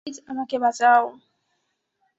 Please আমাকে বাঁচাও!